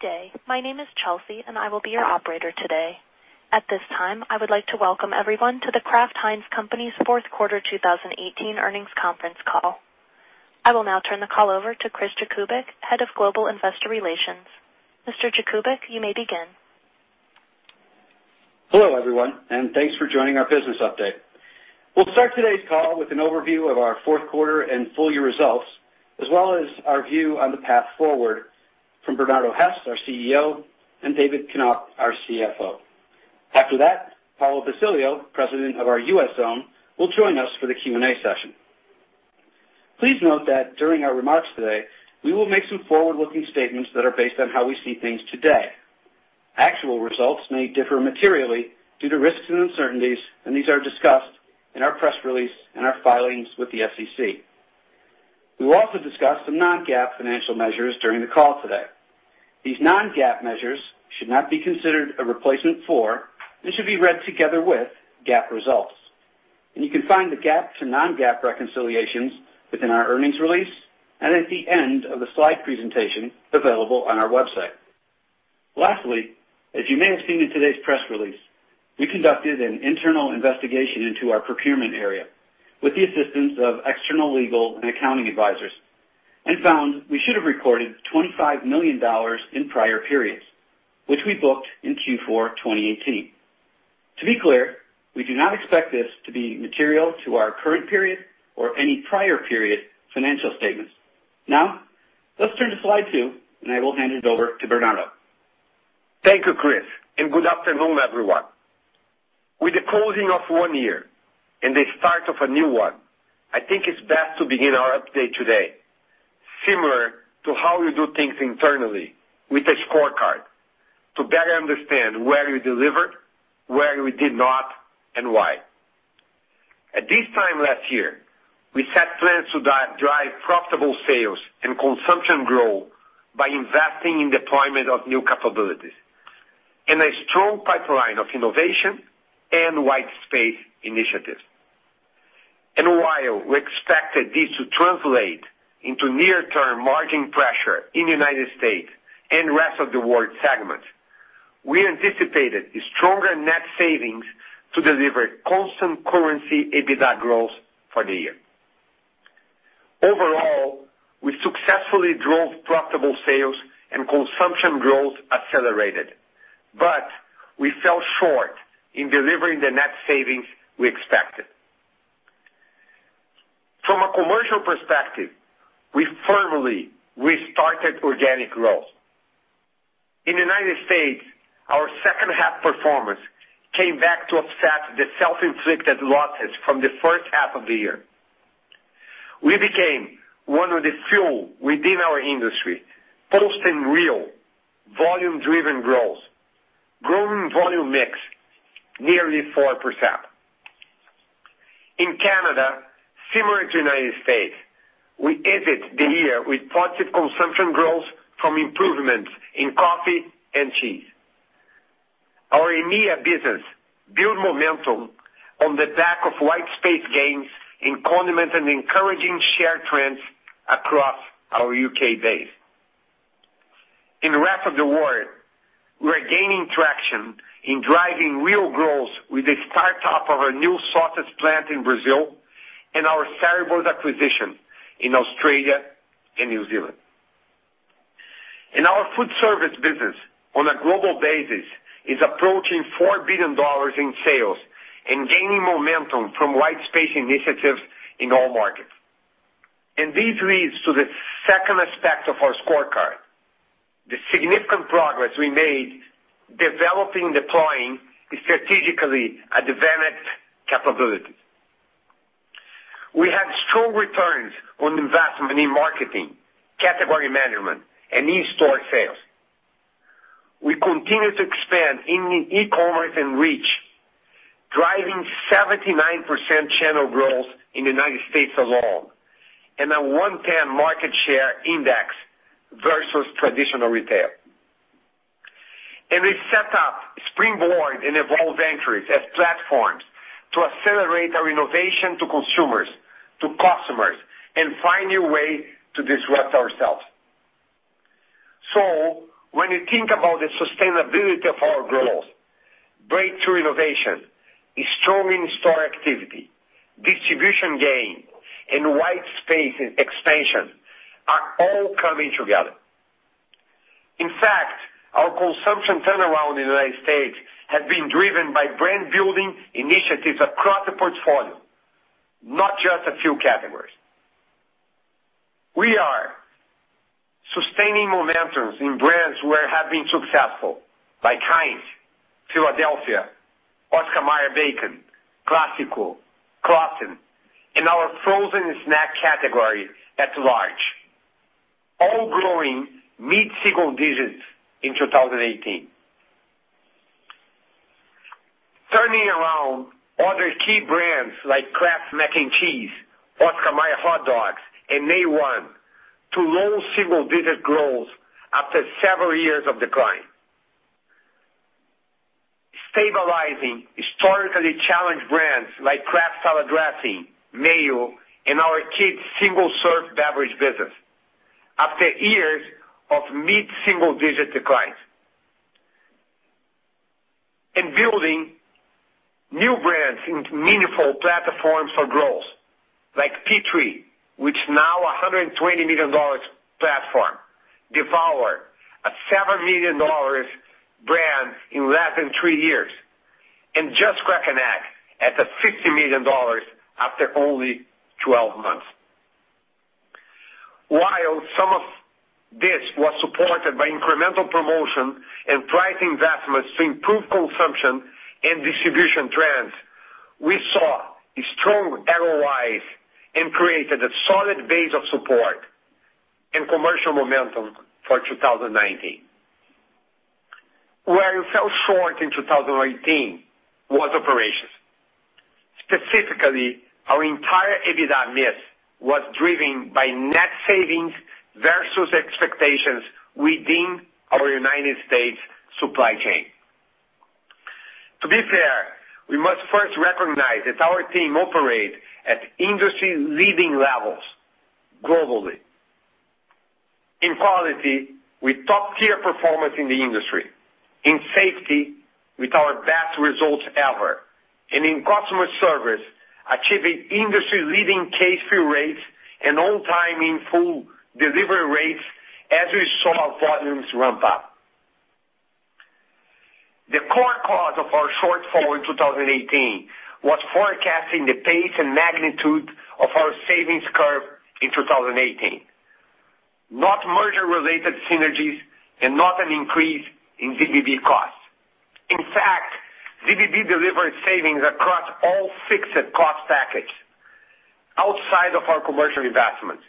Good day. My name is Chelsea, and I will be your operator today. At this time, I would like to welcome everyone to The Kraft Heinz Company's Q4 2018 earnings conference call. I will now turn the call over to Chris Jakubik, Head of Global Investor Relations. Mr. Jakubik, you may begin. Hello, everyone, and thanks for joining our business update. We'll start today's call with an overview of our Q4 and full year results, as well as our view on the path forward from Bernardo Hees, our CEO, and David Knopf, our CFO. After that, Paulo Basilio, President of our U.S. zone, will join us for the Q&A session. Please note that during our remarks today, we will make some forward-looking statements that are based on how we see things today. Actual results may differ materially due to risks and uncertainties, and these are discussed in our press release and our filings with the SEC. We will also discuss some non-GAAP financial measures during the call today. These non-GAAP measures should not be considered a replacement for, and should be read together with, GAAP results. You can find the GAAP to non-GAAP reconciliations within our earnings release and at the end of the slide presentation available on our website. Lastly, as you may have seen in today's press release, we conducted an internal investigation into our procurement area with the assistance of external legal and accounting advisors and found we should have recorded $25 million in prior periods, which we booked in Q4 2018. To be clear, we do not expect this to be material to our current period or any prior period financial statements. Now, let's turn to Slide 2, and I will hand it over to Bernardo. Thank you, Chris, and good afternoon, everyone. With the closing of one year and the start of a new one, I think it's best to begin our update today similar to how we do things internally with a scorecard to better understand where we delivered, where we did not, and why. At this time last year, we set plans to drive profitable sales and consumption growth by investing in deployment of new capabilities and a strong pipeline of innovation and white space initiatives. While we expected this to translate into near-term margin pressure in United States and Rest of the World segments, we anticipated stronger net savings to deliver constant currency EBITDA growth for the year. Overall, we successfully drove profitable sales and consumption growth accelerated, but we fell short in delivering the net savings we expected. From a commercial perspective, we firmly restarted organic growth. In the U.S., our second half performance came back to offset the self-inflicted losses from the first half of the year. We became one of the few within our industry posting real volume-driven growth, growing volume mix nearly 4%. In Canada, similar to the U.S., we exit the year with positive consumption growth from improvements in coffee and cheese. Our EMEA business build momentum on the back of white space gains in condiments and encouraging share trends across our U.K. base. In Rest of the World, we're gaining traction in driving real growth with the start up of our new sausage plant in Brazil and our Cerebos acquisition in Australia and New Zealand. Our food service business on a global basis is approaching $4 billion in sales and gaining momentum from white space initiatives in all markets. This leads to the second aspect of our scorecard, the significant progress we made developing, deploying strategically advanced capabilities. We had strong returns on investment in marketing, category management, and in-store sales. We continue to expand in e-commerce and reach, driving 79% channel growth in the U.S. alone, and a 110 market share index versus traditional retail. We set up Springboard and Evolv Ventures as platforms to accelerate our innovation to consumers, to customers, and find new ways to disrupt ourselves. When you think about the sustainability of our growth, breakthrough innovation, a strong in-store activity, distribution gain, and white space expansion are all coming together. In fact, our consumption turnaround in the U.S. has been driven by brand-building initiatives across the portfolio, not just a few categories. We are sustaining momentum in brands where have been successful, like Heinz, Philadelphia, Oscar Mayer bacon, Classico, Claussen, and our frozen snack category at large, all growing mid-single digits in 2018. Turning around other key brands like Kraft Mac & Cheese, Oscar Mayer hot dogs, and K-One to low single-digit growth after several years of decline. Stabilizing historically challenged brands like Kraft Salad Dressing, mayo, and our kids' single-serve beverage business after years of mid-single-digit declines. Building new brands into meaningful platforms for growth, like P3, which now $120 million platform devoured a $7 million brand in less than three years, and Just Crack an Egg at $50 million after only 12 months. While some of this was supported by incremental promotion and pricing investments to improve consumption and distribution trends, we saw strong ROIs and created a solid base of support and commercial momentum for 2019. Where we fell short in 2018 was operations. Specifically, our entire EBITDA miss was driven by net savings versus expectations within our U.S. supply chain. To be fair, we must first recognize that our team operates at industry-leading levels globally. In quality, with top-tier performance in the industry, in safety with our best results ever, and in customer service, achieving industry-leading case fill rates and all-time in full delivery rates as we saw volumes ramp up. The core cause of our shortfall in 2018 was forecasting the pace and magnitude of our savings curve in 2018, not merger-related synergies and not an increase in ZBB costs. In fact, ZBB delivered savings across all fixed cost package outside of our commercial investments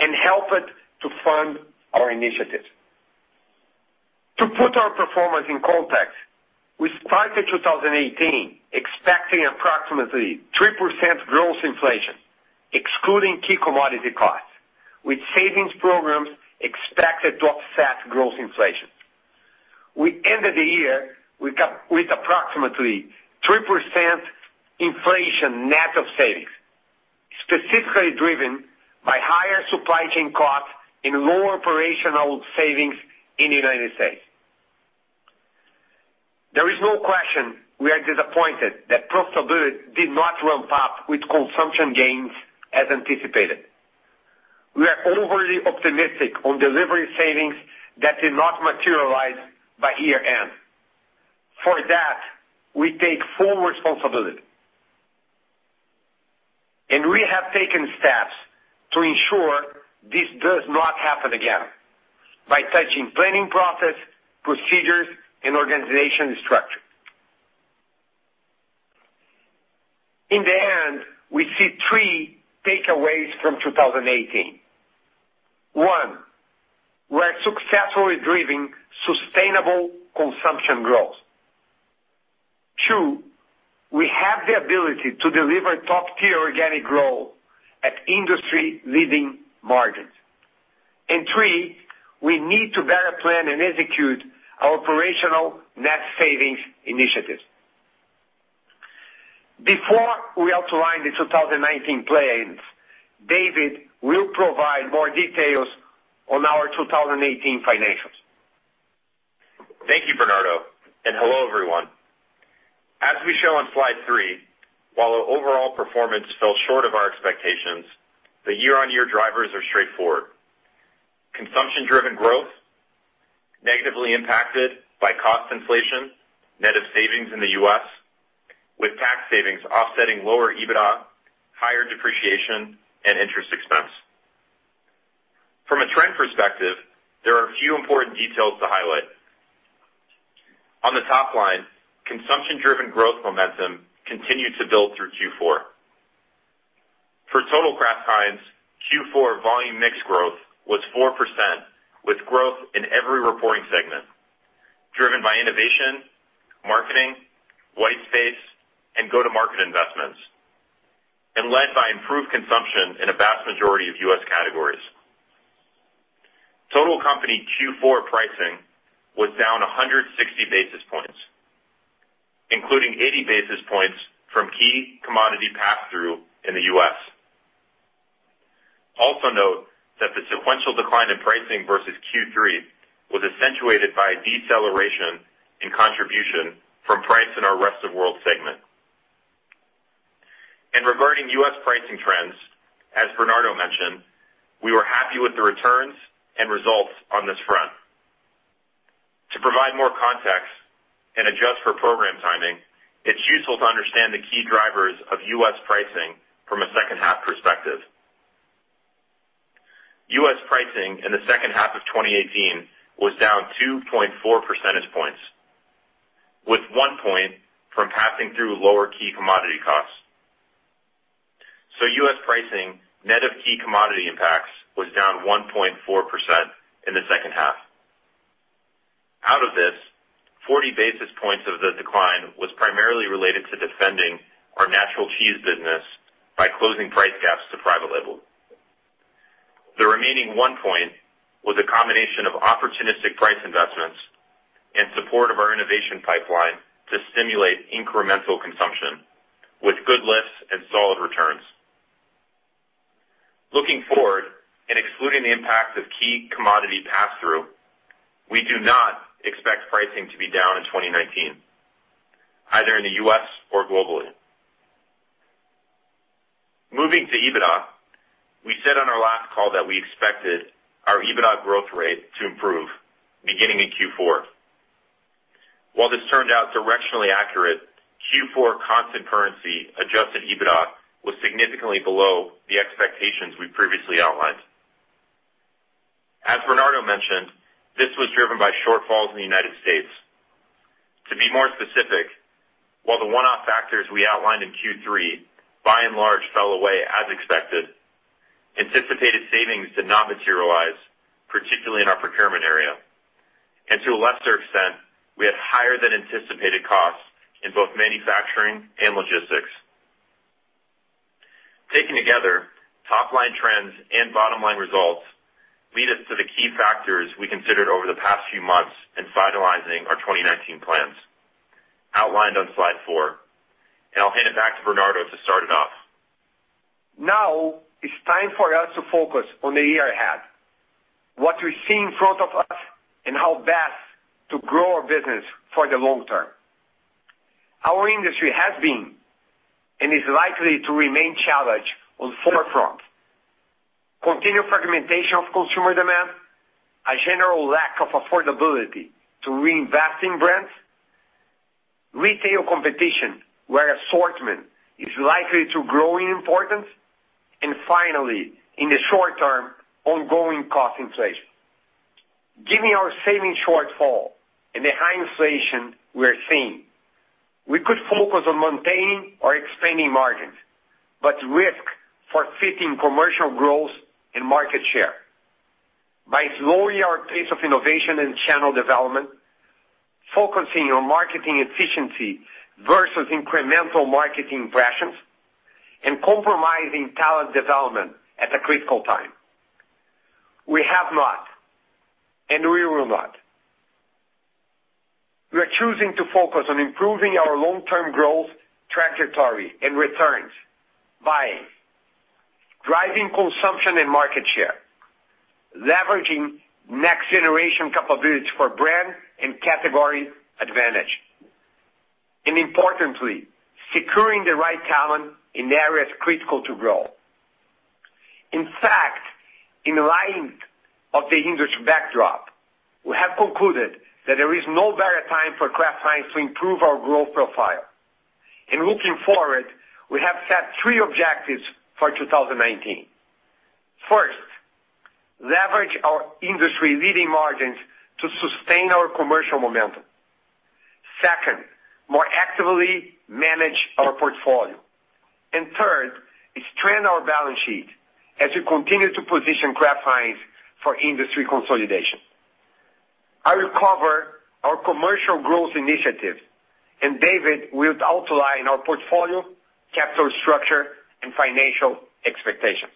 and helped to fund our initiatives. To put our performance in context, we started 2018 expecting approximately 3% gross inflation, excluding key commodity costs, with savings programs expected to offset gross inflation. We ended the year with approximately 3% inflation net of savings, specifically driven by higher supply chain costs and lower operational savings in the U.S. There is no question we are disappointed that profitability did not ramp up with consumption gains as anticipated. We are overly optimistic on delivery savings that did not materialize by year-end. For that, we take full responsibility, and we have taken steps to ensure this does not happen again by touching planning process, procedures, and organization structure. In the end, we see three takeaways from 2018. One, we're successfully driving sustainable consumption growth. Two, we have the ability to deliver top-tier organic growth at industry-leading margins. Three, we need to better plan and execute our operational net savings initiatives. Before we outline the 2019 plans, David will provide more details on our 2018 financials. Thank you, Bernardo, and hello, everyone. As we show on Slide 3, while our overall performance fell short of our expectations, the year-on-year drivers are straightforward. Consumption-driven growth negatively impacted by cost inflation, net of savings in the U.S., with tax savings offsetting lower EBITDA, higher depreciation, and interest expense. From a trend perspective, there are a few important details to highlight. On the top line, consumption-driven growth momentum continued to build through Q4. For total Kraft Heinz, Q4 volume mix growth was 4%, with growth in every reporting segment, driven by innovation, marketing, white space, and go-to-market investments, and led by improved consumption in a vast majority of U.S. categories. Total company Q4 pricing was down 160 basis points, including 80 basis points from key commodity pass-through in the U.S. Regarding U.S. pricing trends, as Bernardo mentioned, we were happy with the returns and results on this front. To provide more context and adjust for program timing, it's useful to understand the key drivers of U.S. pricing from a second half perspective. U.S. pricing in the second half of 2018 was down 2.4 percentage points, with one point from passing through lower key commodity costs. So U.S. pricing, net of key commodity impacts, was down 1.4% in the second half. Out of this, 40 basis points of the decline was primarily related to defending our natural cheese business by closing price gaps to private label. The remaining one point was a combination of opportunistic price investments and support of our innovation pipeline to stimulate incremental consumption with good lifts and solid returns. Looking forward and excluding the impact of key commodity pass-through, we do not expect pricing to be down in 2019, either in the U.S. or globally. Moving to EBITDA, we said on our last call that we expected our EBITDA growth rate to improve beginning in Q4. While this turned out directionally accurate, Q4 constant currency adjusted EBITDA was significantly below the expectations we previously outlined. As Bernardo mentioned, this was driven by shortfalls in the United States. To be more specific, while the one-off factors we outlined in Q3 by and large fell away as expected, anticipated savings did not materialize, particularly in our procurement area. To a lesser extent, we had higher than anticipated costs in both manufacturing and logistics. Taking together top line trends and bottom line results lead us to the key factors we considered over the past few months in finalizing our 2019 plans outlined on Slide 4. I'll hand it back to Bernardo to start it off. It's time for us to focus on the year ahead, what we see in front of us, and how best to grow our business for the long term. Our industry has been and is likely to remain challenged on four fronts. Continued fragmentation of consumer demand, a general lack of affordability to reinvest in brands, retail competition where assortment is likely to grow in importance, and finally, in the short term, ongoing cost inflation. Given our savings shortfall and the high inflation we are seeing, we could focus on maintaining or expanding margins, but risk forfeiting commercial growth and market share by slowing our pace of innovation and channel development, focusing on marketing efficiency versus incremental marketing impressions, and compromising talent development at a critical time. We have not, and we will not. We are choosing to focus on improving our long-term growth trajectory and returns by driving consumption and market share, leveraging next-generation capabilities for brand and category advantage, and importantly, securing the right talent in areas critical to growth. In fact, in light of the industry backdrop, we have concluded that there is no better time for Kraft Heinz to improve our growth profile. In looking forward, we have set three objectives for 2019. First, leverage our industry-leading margins to sustain our commercial momentum. Second, more actively manage our portfolio. Third, is train our balance sheet as we continue to position Kraft Heinz for industry consolidation. I will cover our commercial growth initiatives. David will outline our portfolio, capital structure and financial expectations.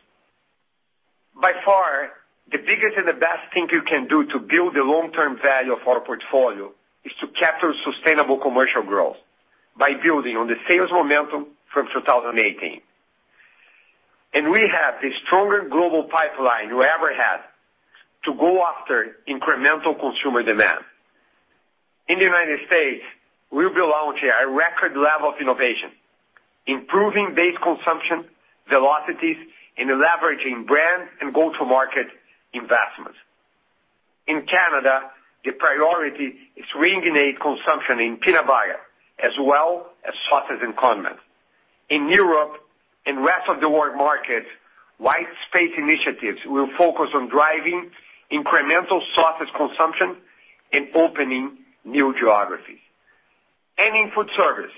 By far, the biggest and the best thing you can do to build the long-term value of our portfolio is to capture sustainable commercial growth by building on the sales momentum from 2018. We have the stronger global pipeline we ever had to go after incremental consumer demand. In the U.S., we'll be launching a record level of innovation, improving base consumption velocities, and leveraging brand and go-to-market investments. In Canada, the priority is reinvigorate consumption in peanut butter as well as sauces and condiments. In Europe and rest of the world markets, white space initiatives will focus on driving incremental sauces consumption and opening new geographies. In food service,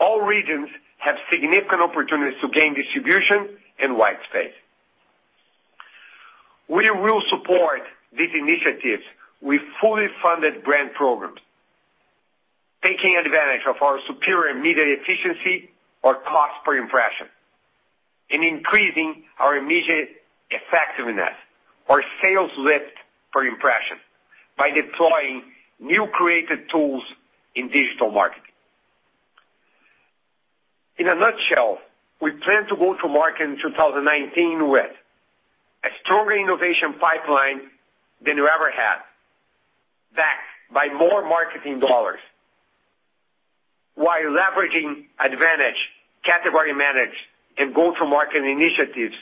all regions have significant opportunities to gain distribution and white space. We will support these initiatives with fully funded brand programs, taking advantage of our superior media efficiency or cost per impression, increasing our immediate effectiveness or sales lift per impression by deploying new created tools in digital marketing. In a nutshell, we plan to go to market in 2019 with a stronger innovation pipeline than we ever had, backed by more marketing dollars while leveraging advantage category management and go-to-market initiatives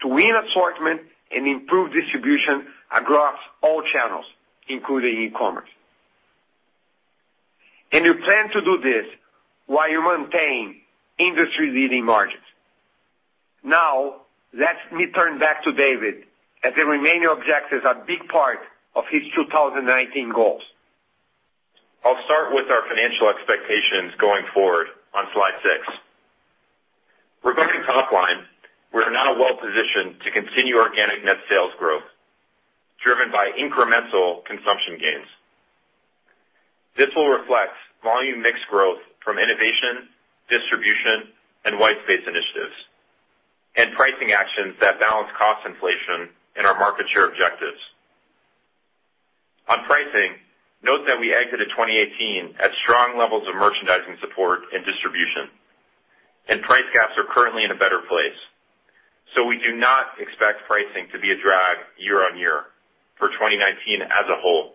to win assortment and improve distribution across all channels, including e-commerce. We plan to do this while maintaining industry-leading margins. Now, let me turn back to David as the remaining objectives are a big part of his 2019 goals. I'll start with our financial expectations going forward on Slide 6. Regarding top line, we are now well positioned to continue organic net sales growth driven by incremental consumption gains. This will reflect volume mix growth from innovation, distribution, and white space initiatives, pricing actions that balance cost inflation and our market share objectives. On pricing, note that we exited 2018 at strong levels of merchandising support and distribution, price gaps are currently in a better place. We do not expect pricing to be a drag year on year for 2019 as a whole.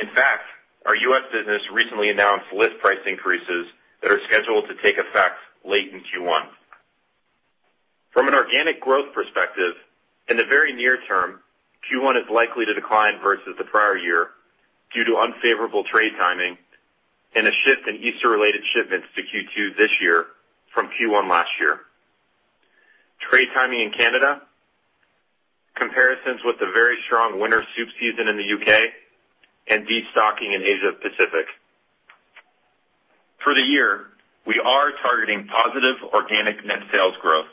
In fact, our U.S. business recently announced list price increases that are scheduled to take effect late in Q1. From an organic growth perspective, in the very near term, Q1 is likely to decline versus the prior year due to unfavorable trade timing and a shift in Easter-related shipments to Q2 this year from Q1 last year. Trade timing in Canada, comparisons with the very strong winter soup season in the U.K., destocking in Asia Pacific. For the year, we are targeting positive organic net sales growth,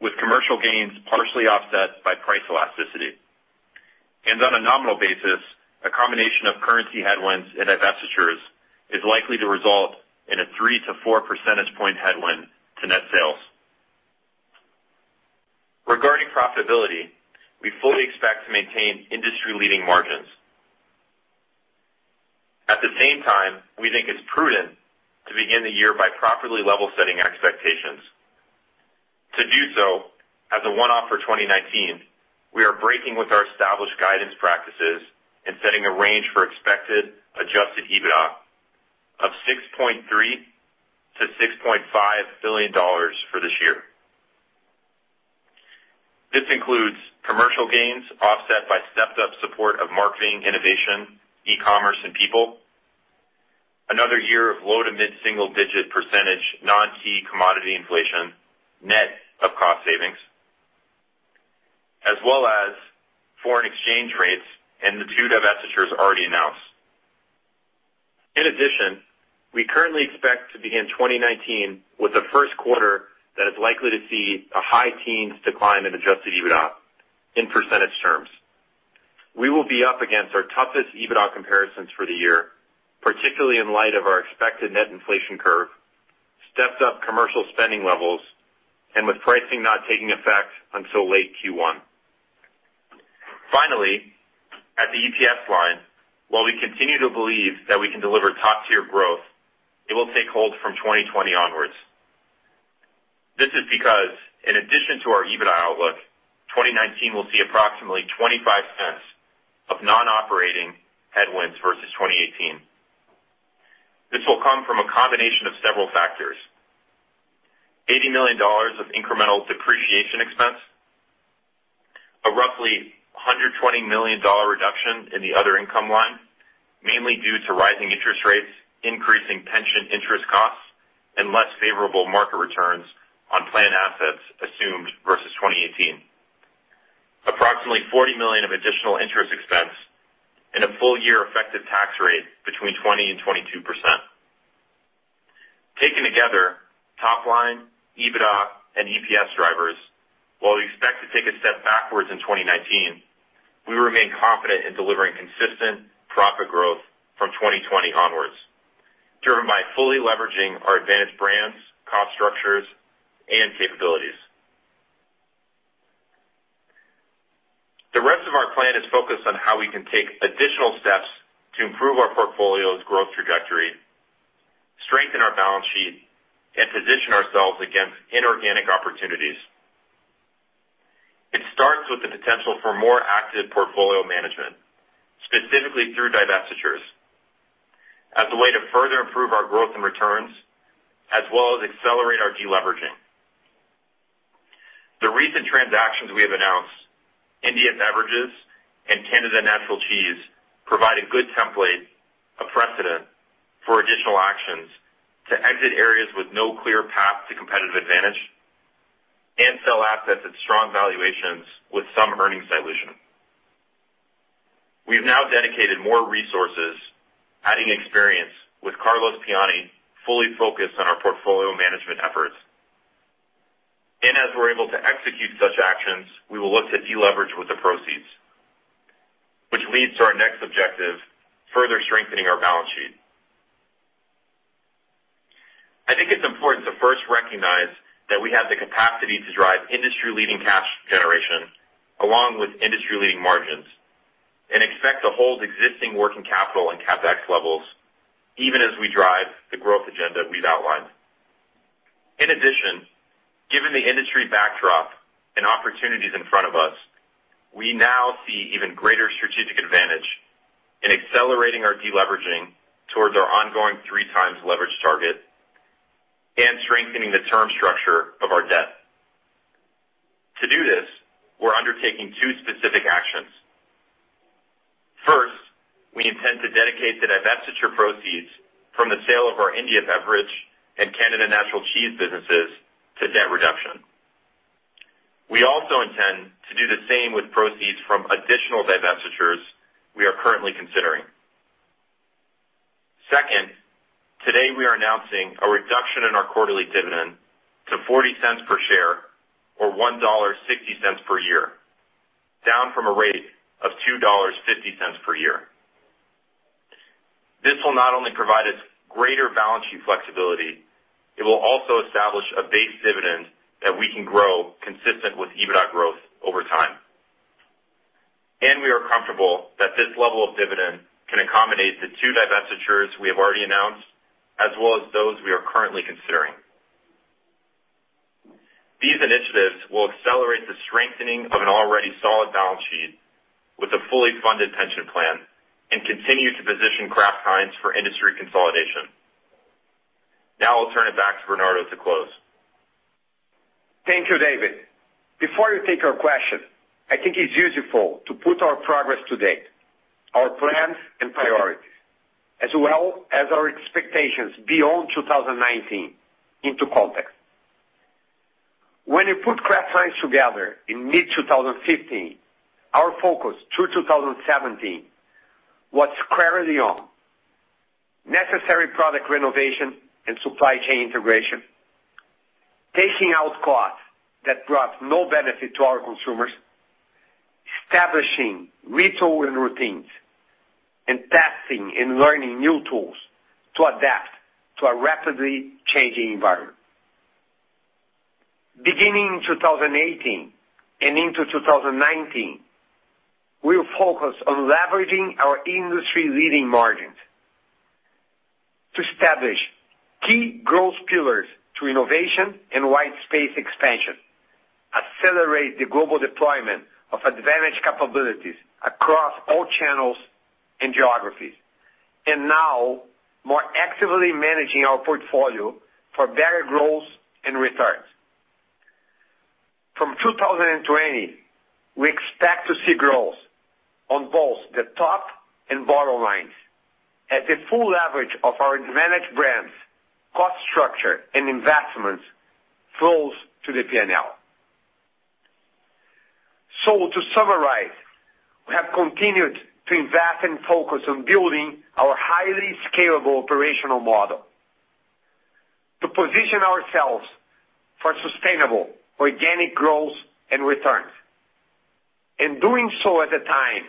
with commercial gains partially offset by price elasticity. On a nominal basis, a combination of currency headwinds and divestitures is likely to result in a 3%-4% percentage point headwind to net sales. Regarding profitability, we fully expect to maintain industry-leading margins. At the same time, we think it's prudent to begin the year by properly level setting expectations. To do so, as a one-off for 2019, we are breaking with our established guidance practices and setting a range for expected adjusted EBITDA of $6.3 billion-$6.5 billion for this year. This includes commercial gains offset by stepped-up support of marketing, innovation, e-commerce, and people. Another year of low to mid single-digit percentage non-key commodity inflation, net of cost savings, as well as foreign exchange rates and the two divestitures already announced. In addition, we currently expect to begin 2019 with a Q1 that is likely to see a high teens decline in adjusted EBITDA in percentage terms. We will be up against our toughest EBITDA comparisons for the year, particularly in light of our expected net inflation curve, stepped up commercial spending levels, and with pricing not taking effect until late Q1. Finally, at the EPS line, while we continue to believe that we can deliver top-tier growth, it will take hold from 2020 onwards. This is because in addition to our EBITDA outlook, 2019 will see approximately $0.25 of non-operating headwinds versus 2018. This will come from a combination of several factors. $80 million of incremental depreciation expense, a roughly $120 million reduction in the other income line, mainly due to rising interest rates, increasing pension interest costs, and less favorable market returns on plan assets assumed versus 2018. Approximately $40 million of additional interest expense and a full-year effective tax rate between 20%-22%. Taken together, top line, EBITDA and EPS drivers, while we expect to take a step backwards in 2019, we remain confident in delivering consistent profit growth from 2020 onwards, driven by fully leveraging our advantage brands, cost structures and capabilities. The rest of our plan is focused on how we can take additional steps to improve our portfolio's growth trajectory, strengthen our balance sheet, and position ourselves against inorganic opportunities. It starts with the potential for more active portfolio management, specifically through divestitures, as a way to further improve our growth and returns, as well as accelerate our deleveraging. The recent transactions we have announced, India Beverages and Canada Natural Cheese, provide a good template of precedent for additional actions to exit areas with no clear path to competitive advantage and sell assets at strong valuations with some earnings dilution. We've now dedicated more resources, adding experience with Carlos Piani fully focused on our portfolio management efforts. As we're able to execute such actions, we will look to deleverage with the proceeds, which leads to our next objective, further strengthening our balance sheet. I think it's important to first recognize that we have the capacity to drive industry-leading cash generation along with industry-leading margins and expect to hold existing working capital and CapEx levels even as we drive the growth agenda we've outlined. In addition, given the industry backdrop and opportunities in front of us, we now see even greater strategic advantage in accelerating our deleveraging towards our ongoing three times leverage target and strengthening the term structure of our debt. To do this, we're undertaking two specific actions. First, we intend to dedicate the divestiture proceeds from the sale of our India Beverage and Canada Natural Cheese businesses to debt reduction. We also intend to do the same with proceeds from additional divestitures we are currently considering. Second, today we are announcing a reduction in our quarterly dividend to $0.40 per share or $1.60 per year, down from a rate of $2.50 per year. This will not only provide us greater balance sheet flexibility, it will also establish a base dividend that we can grow consistent with EBITDA growth over time. We are comfortable that this level of dividend can accommodate the two divestitures we have already announced, as well as those we are currently considering. These initiatives will accelerate the strengthening of an already solid balance sheet with a fully funded pension plan and continue to position Kraft Heinz for industry consolidation. I'll turn it back to Bernardo to close. Thank you, David. Before you take our questions, I think it's useful to put our progress to date, our plans and priorities, as well as our expectations beyond 2019 into context. When you put Kraft Heinz together in mid-2015, our focus through 2017 was squarely on necessary product renovation and supply chain integration, taking out costs that brought no benefit to our consumers, establishing retail and routines, and testing and learning new tools to adapt to a rapidly changing environment. Beginning in 2018 and into 2019, we'll focus on leveraging our industry-leading margins to establish key growth pillars through innovation and white space expansion, accelerate the global deployment of advantage capabilities across all channels and geographies, and now more actively managing our portfolio for better growth and returns. From 2020, we expect to see growth on both the top and bottom lines as the full leverage of our advantage brands, cost structure, and investments flows to the P&L. To summarize, we have continued to invest and focus on building our highly scalable operational model to position ourselves for sustainable organic growth and returns, and doing so at a time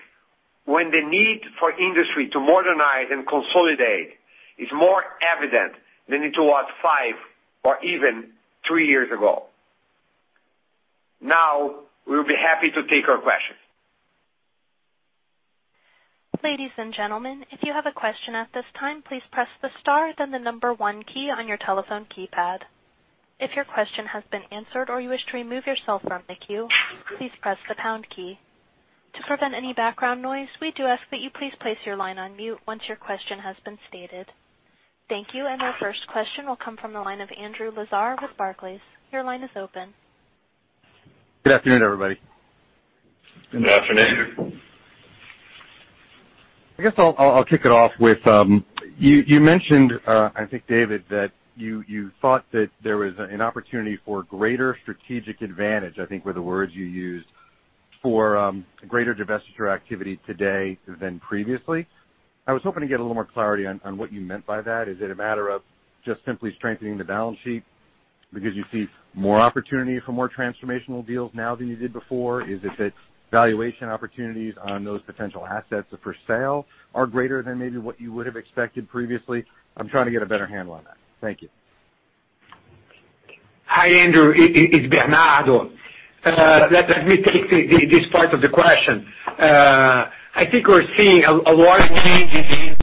when the need for industry to modernize and consolidate is more evident than it was five or even three years ago. We'll be happy to take your questions. Ladies and gentlemen, if you have a question at this time, please press the star then the number one key on your telephone keypad. If your question has been answered or you wish to remove yourself from the queue, please press the pound key. To prevent any background noise, we do ask that you please place your line on mute once your question has been stated. Thank you. Our first question will come from the line of Andrew Lazar with Barclays. Your line is open. Good afternoon, everybody. Good afternoon. Good afternoon. I guess I'll kick it off with, you mentioned, I think, David, that you thought that there was an opportunity for greater strategic advantage, I think were the words you used, for greater divestiture activity today than previously. I was hoping to get a little more clarity on what you meant by that. Is it a matter of just simply strengthening the balance sheet because you see more opportunity for more transformational deals now than you did before? Is it that valuation opportunities on those potential assets for sale are greater than maybe what you would have expected previously? I'm trying to get a better handle on that. Thank you. Hi, Andrew. It is Bernardo. Let me take this part of the question. I think we're seeing a large change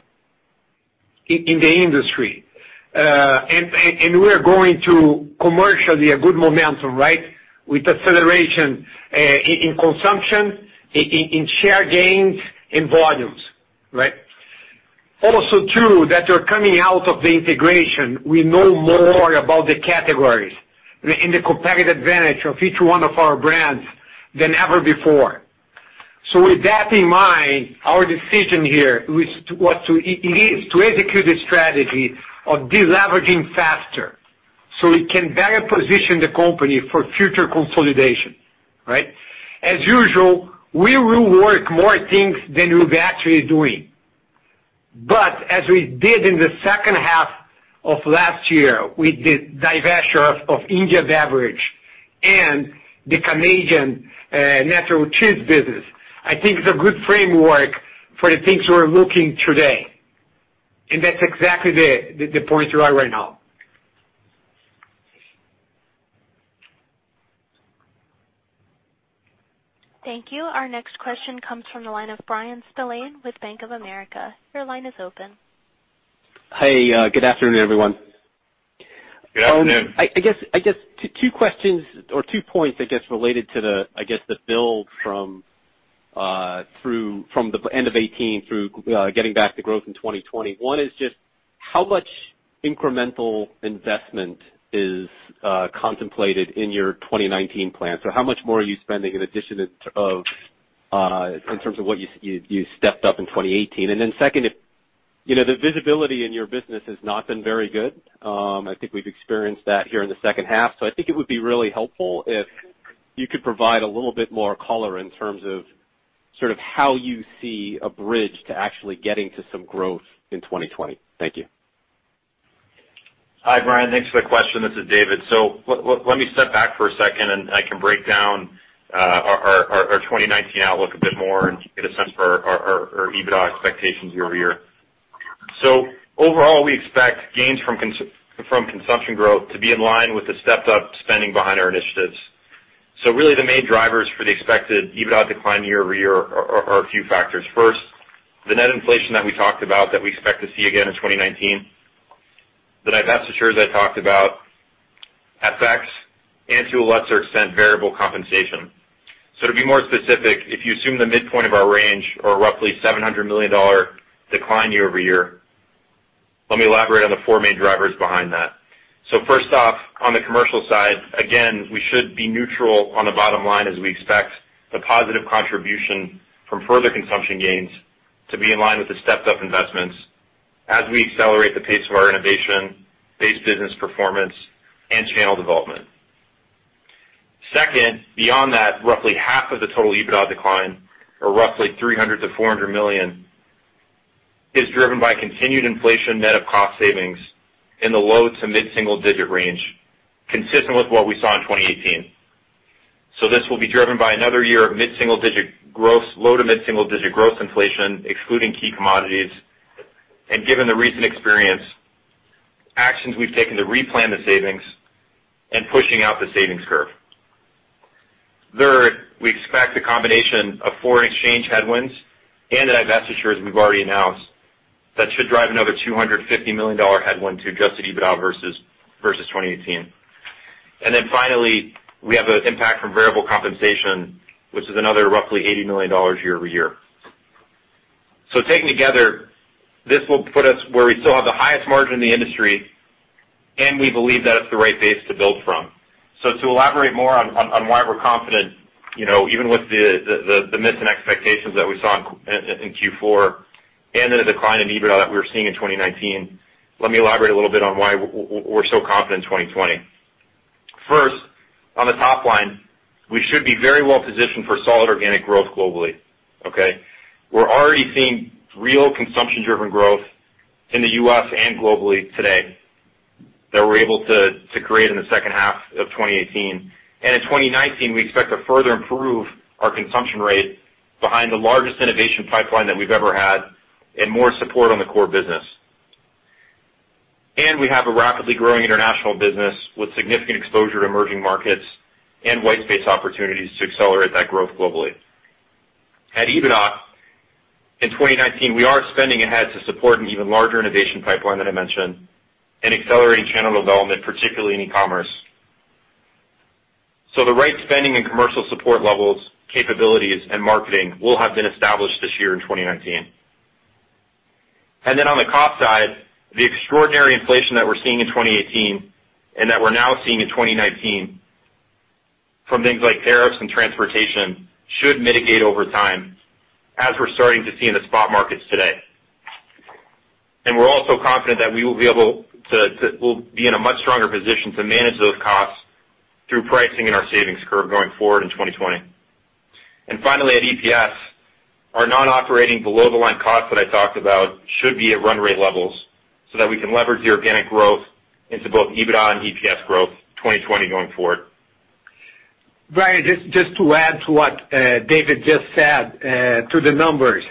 in the industry. We're going through commercially a good momentum, with acceleration in consumption, in share gains, in volumes. Also true that we're coming out of the integration. We know more about the categories and the competitive advantage of each one of our brands than ever before. With that in mind, our decision here is to execute a strategy of deleveraging faster so we can better position the company for future consolidation. As usual, we will work more things than we're actually doing. As we did in the second half of last year with the divestiture of India Beverage and the Canadian natural cheese business, I think it's a good framework for the things we're looking today. That's exactly the point we're at right now. Thank you. Our next question comes from the line of Bryan Spillane with Bank of America. Your line is open. Hey, good afternoon, everyone. Good afternoon. Two questions or two points, I guess, related to the build from the end of 2018 through getting back to growth in 2020. One is just how much incremental investment is contemplated in your 2019 plan? How much more are you spending in addition in terms of what you stepped up in 2018? Second, the visibility in your business has not been very good. I think we've experienced that here in the second half. I think it would be really helpful if you could provide a little bit more color in terms of sort of how you see a bridge to actually getting to some growth in 2020. Thank you. Hi, Bryan. Thanks for the question. This is David. Let me step back for a second, and I can break down our 2019 outlook a bit more and get a sense for our EBITDA expectations year-over-year. Overall, we expect gains from consumption growth to be in line with the stepped-up spending behind our initiatives. Really, the main drivers for the expected EBITDA decline year-over-year are a few factors. First, the net inflation that we talked about that we expect to see again in 2019, the divestitures I talked about, FX, and to a lesser extent, variable compensation. To be more specific, if you assume the midpoint of our range or roughly $700 million decline year-over-year, let me elaborate on the four main drivers behind that. First off, on the commercial side, again, we should be neutral on the bottom line as we expect the positive contribution from further consumption gains to be in line with the stepped-up investments as we accelerate the pace of our innovation-based business performance and channel development. Second, beyond that, roughly half of the total EBITDA decline, or roughly $300 million to $400 million, is driven by continued inflation net of cost savings in the low to mid-single-digit range, consistent with what we saw in 2018. This will be driven by another year of low to mid-single-digit growth inflation, excluding key commodities. Given the recent experience, actions we've taken to replan the savings and pushing out the savings curve. Third, we expect a combination of foreign exchange headwinds and the divestitures we've already announced that should drive another $250 million headwind to adjusted EBITDA versus 2018. Finally, we have the impact from variable compensation, which is another roughly $80 million year-over-year. Taken together, this will put us where we still have the highest margin in the industry, and we believe that it's the right base to build from. To elaborate more on why we're confident, even with the missing expectations that we saw in Q4 and then a decline in EBITDA that we're seeing in 2019, let me elaborate a little bit on why we're so confident in 2020. First, on the top line, we should be very well positioned for solid organic growth globally. Okay? We're already seeing real consumption-driven growth in the U.S. and globally today that we're able to create in the second half of 2018. In 2019, we expect to further improve our consumption rate behind the largest innovation pipeline that we've ever had and more support on the core business. We have a rapidly growing international business with significant exposure to emerging markets and white space opportunities to accelerate that growth globally. At EBITDA, in 2019, we are spending ahead to support an even larger innovation pipeline that I mentioned and accelerating channel development, particularly in e-commerce. The right spending and commercial support levels, capabilities, and marketing will have been established this year in 2019. On the cost side, the extraordinary inflation that we're seeing in 2018 and that we're now seeing in 2019 from things like tariffs and transportation should mitigate over time, as we're starting to see in the spot markets today. We're also confident that we'll be in a much stronger position to manage those costs through pricing in our savings curve going forward in 2020. Finally, at EPS, our non-operating below-the-line costs that I talked about should be at run rate levels so that we can leverage the organic growth into both EBITDA and EPS growth 2020 going forward. Bryan, just to add to what David just said to the numbers.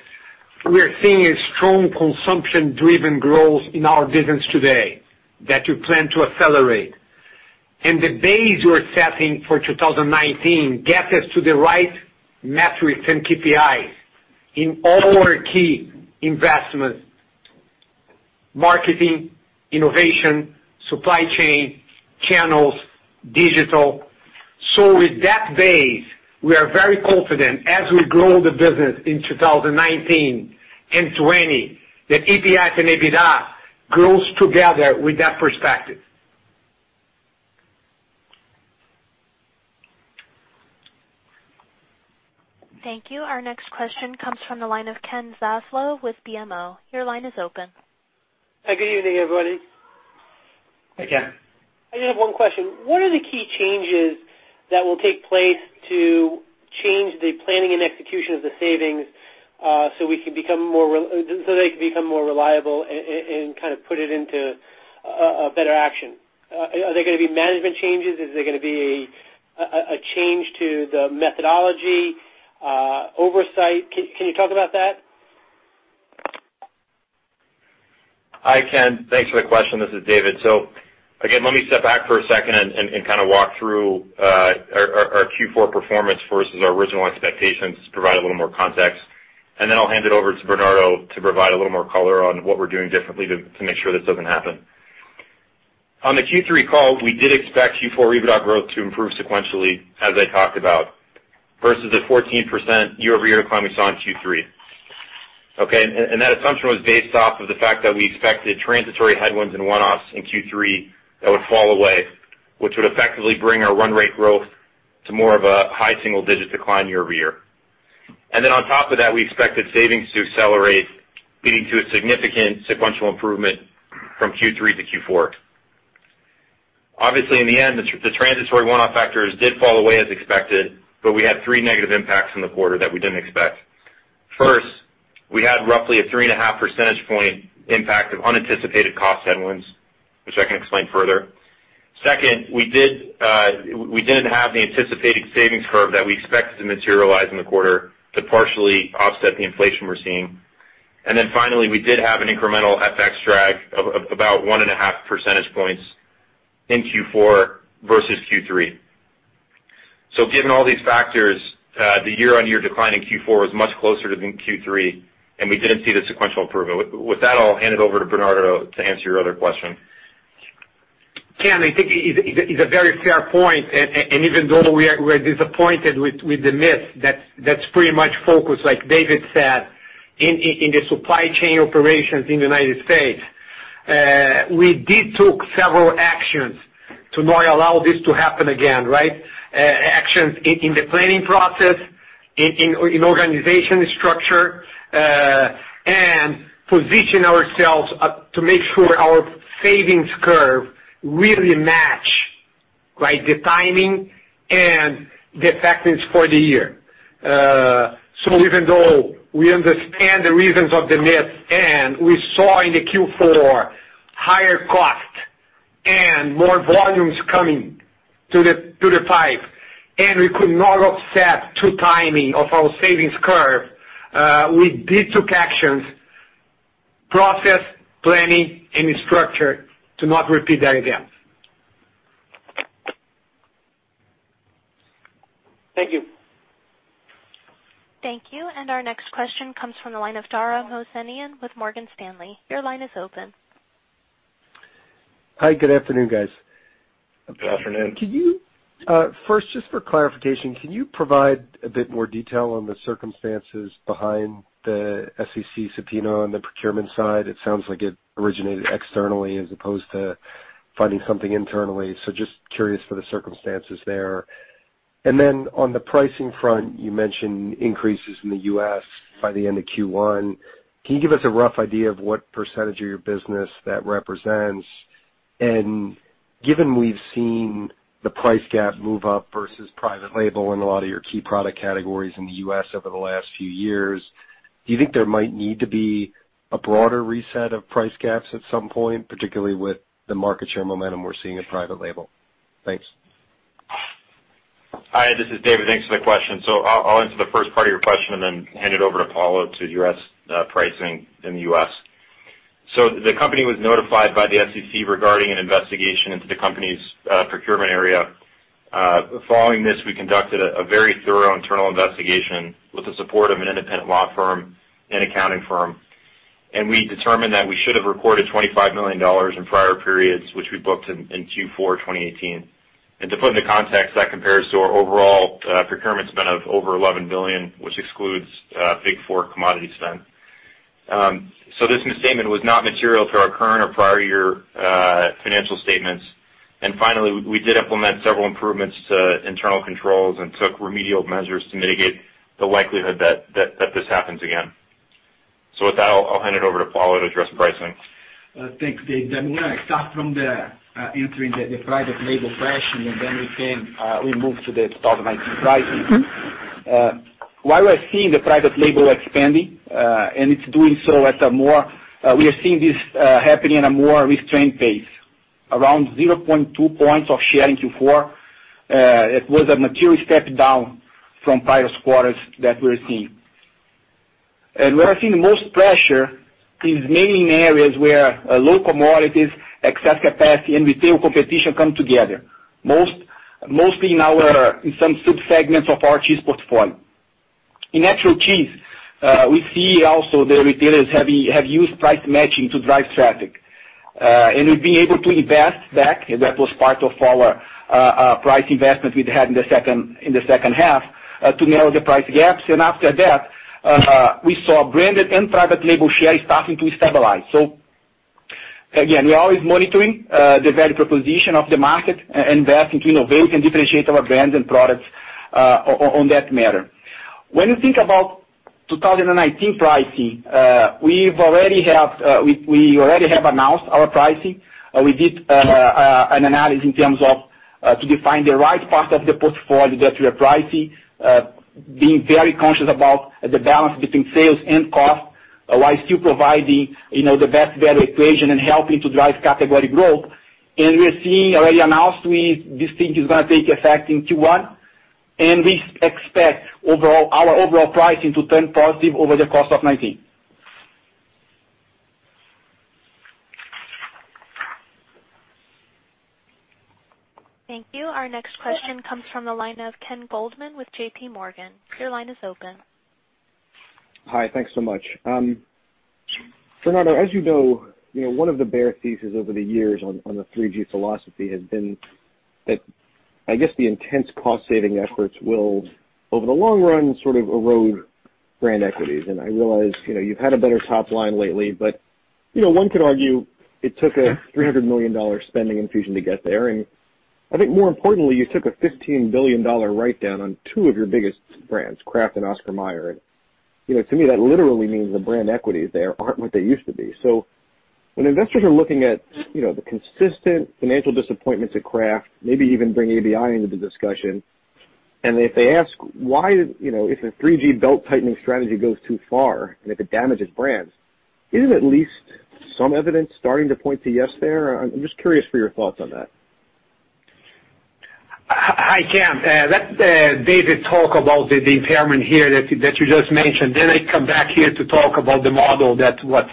We're seeing a strong consumption-driven growth in our business today that we plan to accelerate. The base we're setting for 2019 gets us to the right metrics and KPIs in all our key investments, marketing, innovation, supply chain, channels, digital. With that base, we are very confident as we grow the business in 2019 and 2020 that EPS and EBITDA grows together with that perspective. Thank you. Our next question comes from the line of Ken Zaslow with BMO. Your line is open Hey. Good evening everybody. Hi, Ken. I just have one question. What are the key changes that will take place to change the planning and execution of the savings so they can become more reliable and kind of put it into a better action? Are there going to be management changes? Is there going to be a change to the methodology, oversight? Can you talk about that? Hi, Ken. Thanks for the question. This is David. Again, let me step back for a second and kind of walk through our Q4 performance versus our original expectations to provide a little more context. Then I'll hand it over to Bernardo to provide a little more color on what we're doing differently to make sure this doesn't happen. On Q3 call, we did expect Q4 EBITDA growth to improve sequentially, as I talked about, versus the 14% year-over-year decline we saw in Q3. Okay? That assumption was based off of the fact that we expected transitory headwinds and one-offs in Q3 that would fall away, which would effectively bring our run rate growth to more of a high single-digit decline year-over-year. Then on top of that, we expected savings to accelerate, leading to a significant sequential improvement from Q3 to Q4. Obviously, in the end, the transitory one-off factors did fall away as expected, but we had three negative impacts in the quarter that we didn't expect. First, we had roughly a three and a half percentage point impact of unanticipated cost headwinds, which I can explain further. Second, we didn't have the anticipated savings curve that we expected to materialize in the quarter to partially offset the inflation we're seeing. Then finally, we did have an incremental FX drag of about one and a half percentage points in Q4 versus Q3. Given all these factors, the year-on-year decline in Q4 was much closer than Q3, and we didn't see the sequential improvement. With that, I'll hand it over to Bernardo to answer your other question. Ken, I think it's a very fair point, and even though we're disappointed with the miss, that's pretty much focused, like David said, in the supply chain operations in the U.S. We did take several actions to not allow this to happen again. Actions in the planning process, in organization structure, and position ourselves to make sure our savings curve really match the timing and the effectiveness for the year. Even though we understand the reasons of the miss, and we saw in Q4 higher cost and more volumes coming through the pipe, and we could not offset true timing of our savings curve, we did take actions, process, planning, and structure to not repeat that again. Thank you. Thank you. Our next question comes from the line of Dara Mohsenian with Morgan Stanley. Your line is open. Hi, good afternoon, guys. Good afternoon. First, just for clarification, can you provide a bit more detail on the circumstances behind the SEC subpoena on the procurement side? It sounds like it originated externally as opposed to finding something internally. Just curious for the circumstances there. On the pricing front, you mentioned increases in the U.S. by the end of Q1. Can you give us a rough idea of what % of your business that represents? Given we've seen the price gap move up versus private label in a lot of your key product categories in the U.S. over the last few years, do you think there might need to be a broader reset of price gaps at some point, particularly with the market share momentum we're seeing in private label? Thanks. Hi, this is David. Thanks for the question. I'll answer the first part of your question and then hand it over to Paulo to address pricing in the U.S. The company was notified by the SEC regarding an investigation into the company's procurement area. Following this, we conducted a very thorough internal investigation with the support of an independent law firm and accounting firm, we determined that we should have recorded $25 million in prior periods, which we booked in Q4 2018. To put into context, that compares to our overall procurement spend of over $11 billion, which excludes big four commodity spend. This misstatement was not material to our current or prior year financial statements. Finally, we did implement several improvements to internal controls and took remedial measures to mitigate the likelihood that this happens again. With that, I'll hand it over to Paulo to address pricing. Thanks, David. I'm going to start from the entering the private label question. Then we move to the 2019 pricing. While we're seeing the private label expanding, it's doing so at a more restrained pace. Around 0.2 points of share in Q4. It was a material step down from prior quarters that we're seeing. Where we're seeing the most pressure is mainly in areas where low commodities, excess capacity, and retail competition come together. Mostly in some sub-segments of our cheese portfolio. In natural cheese, we see also the retailers have used price matching to drive traffic. We've been able to invest back, and that was part of our price investment we'd had in the second half, to narrow the price gaps. After that, we saw branded and private label share starting to stabilize. Again, we are always monitoring the value proposition of the market and investing to innovate and differentiate our brands and products on that matter. When you think about 2019 pricing, we already have announced our pricing. We did an analysis in terms of to define the right part of the portfolio that we are pricing, being very conscious about the balance between sales and cost, while still providing the best value equation and helping to drive category growth. We are seeing, already announced, this thing is going to take effect in Q1, and we expect our overall pricing to turn positive over the course of 2019. Thank you. Our next question comes from the line of Ken Goldman with JPMorgan. Your line is open. Hi. Thanks so much. Bernardo, as one of the bear theses over the years on the 3G philosophy has been that, I guess the intense cost-saving efforts will, over the long run, sort of erode brand equities. I realize you've had a better top line lately, but one could argue it took a $300 million spending infusion to get there. I think more importantly, you took a $15 billion write-down on two of your biggest brands, Kraft and Oscar Mayer. To me, that literally means the brand equities there aren't what they used to be. When investors are looking at the consistent financial disappointments at Kraft, maybe even bring ABI into the discussion, and if they ask why, if a 3G belt-tightening strategy goes too far and if it damages brands, isn't at least some evidence starting to point to yes there? I'm just curious for your thoughts on that. Hi, Ken. Let David talk about the impairment here that you just mentioned. I come back here to talk about the model that what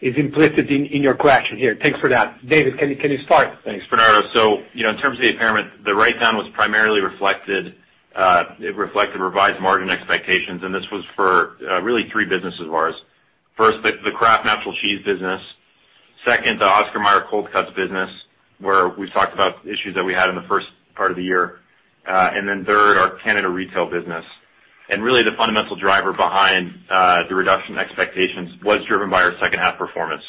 is implicit in your question here. Thanks for that. David, can you start? Thanks, Bernardo. In terms of the impairment, the write-down was primarily reflected revised margin expectations, and this was for really three businesses of ours. First, the Kraft Natural Cheese business. Second, the Oscar Mayer Cold Cuts business, where we've talked about issues that we had in the first part of the year. Third, our Canada retail business. Really the fundamental driver behind the reduction in expectations was driven by our second half performance,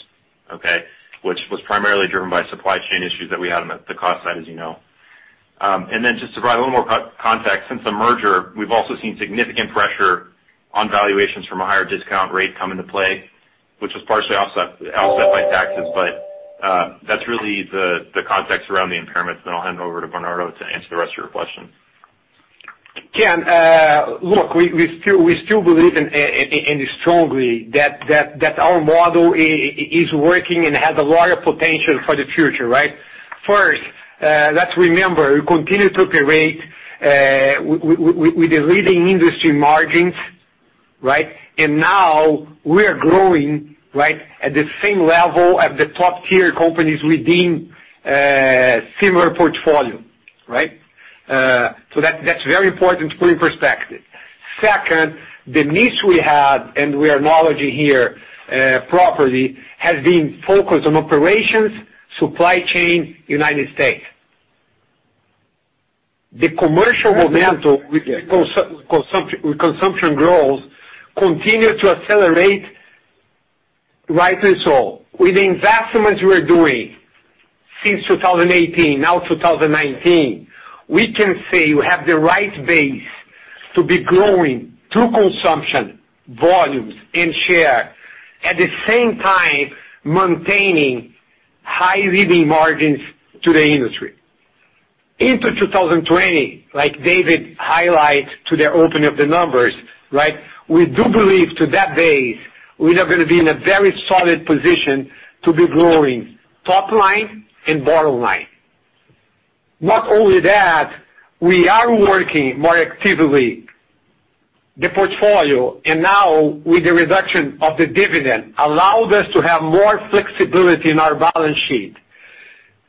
okay? Which was primarily driven by supply chain issues that we had on the cost side, as you know. Just to provide a little more context, since the merger, we've also seen significant pressure on valuations from a higher discount rate come into play, which was partially offset by taxes. That's really the context around the impairments. I'll hand it over to Bernardo to answer the rest of your question. Ken, look, we still believe and strongly that our model is working and has a lot of potential for the future, right? First, let's remember, we continue to operate with the leading industry margins, right? Now we are growing at the same level as the top tier companies within similar portfolio. That's very important to put in perspective. Second, the niche we have, and we are acknowledging here properly, has been focused on operations, supply chain, U.S. The commercial momentum with consumption growth continue to accelerate rightly so. With the investments we're doing since 2018, now 2019, we can say we have the right base to be growing through consumption, volumes, and share, at the same time, maintaining high leading margins to the industry. Into 2020, like David highlight to the opening of the numbers, we do believe to that base, we are going to be in a very solid position to be growing top line and bottom line. Not only that, we are working more actively the portfolio, and now with the reduction of the dividend, allows us to have more flexibility in our balance sheet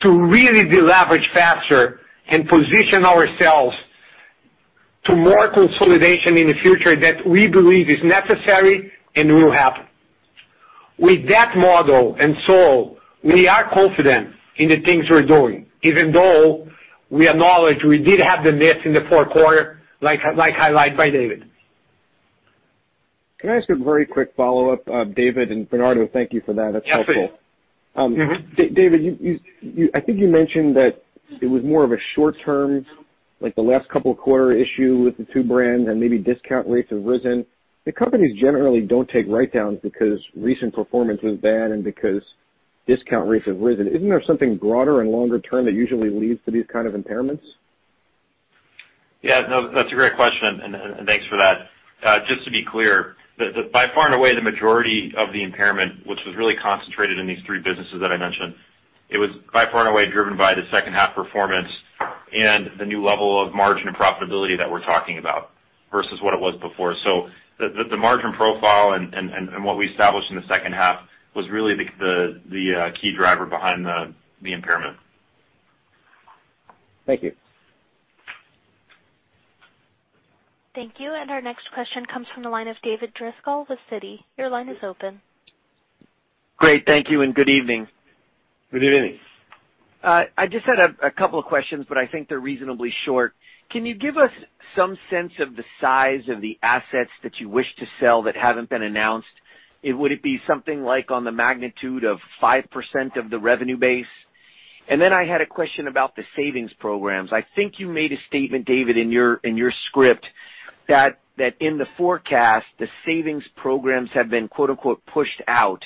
to really deleverage faster and position ourselves to more consolidation in the future that we believe is necessary and will happen. With that model we are confident in the things we're doing, even though we acknowledge we did have the miss in Q4, like highlighted by David. Can I ask a very quick follow-up, David, and Bernardo, thank you for that. That's helpful. Yes. David, I think you mentioned that it was more of a short term, like the last couple of quarter issue with the two brands and maybe discount rates have risen. The companies generally don't take write-downs because recent performance was bad and because discount rates have risen. Isn't there something broader and longer term that usually leads to these kind of impairments? Yes, that's a great question, and thanks for that. Just to be clear, by far and away the majority of the impairment, which was really concentrated in these three businesses that I mentioned, it was by far and away driven by the second half performance and the new level of margin and profitability that we're talking about versus what it was before. The margin profile and what we established in the second half was really the key driver behind the impairment. Thank you. Thank you. Our next question comes from the line of David Driscoll with Citi. Your line is open. Great. Thank you and good evening. Good evening. I just had a couple of questions. I think they're reasonably short. Can you give us some sense of the size of the assets that you wish to sell that haven't been announced? Would it be something like on the magnitude of 5% of the revenue base? I had a question about the savings programs. I think you made a statement, David, in your script, that in the forecast, the savings programs have been quote unquote, "pushed out."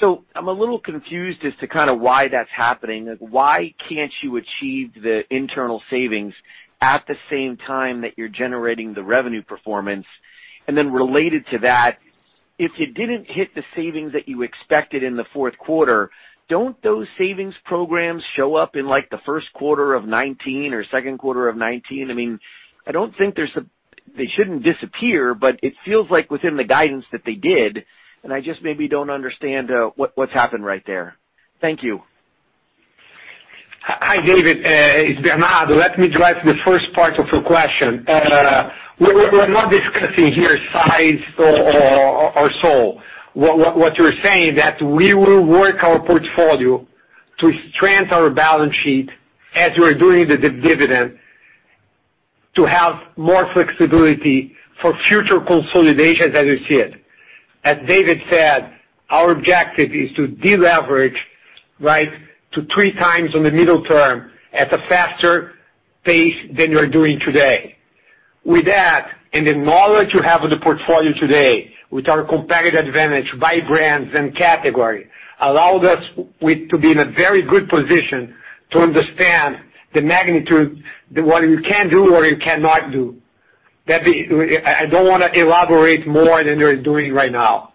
I'm a little confused as to kind of why that's happening. Why can't you achieve the internal savings at the same time that you're generating the revenue performance? Related to that, if you didn't hit the savings that you expected in Q4, don't those savings programs show up in, like, Q1 of 2019 or Q2 of 2019? I don't think they shouldn't disappear. It feels like within the guidance that they did, and I just maybe don't understand what's happened right there. Thank you. Hi, David. It's Bernardo. Let me address the first part of your question. We're not discussing here size or so. What you're saying that we will work our portfolio to strengthen our balance sheet as we're doing the dividend to have more flexibility for future consolidations as you said. As David said, our objective is to deleverage to three times in the middle term at a faster pace than you're doing today. With that, and the knowledge you have of the portfolio today, with our competitive advantage by brands and category, allows us to be in a very good position to understand the magnitude of what you can do or you cannot do. I don't want to elaborate more than they're doing right now.